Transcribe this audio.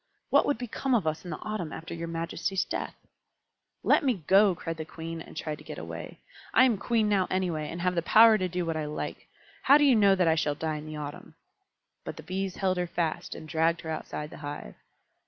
What would become of us in the autumn after your majesty's death?" "Let me go!" cried the Queen, and tried to get away. "I am Queen now anyway, and have the power to do what I like. How do you know that I shall die in the autumn?" But the Bees held her fast, and dragged her outside the hive.